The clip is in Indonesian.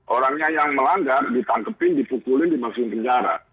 orangnya yang melanggar ditangkepin dipukulin dimaksud penjara